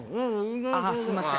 あっ、すみません。